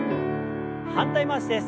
反対回しです。